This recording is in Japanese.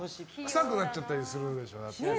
臭くなっちゃったりするでしょ。